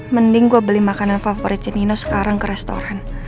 mending gua beli makanan favoritnya nino sekarang ke restoran